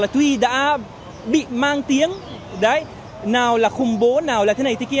tuy đã bị mang tiếng nào là khủng bố nào là thế này thế kia